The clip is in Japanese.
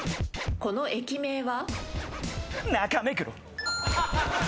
この駅名は？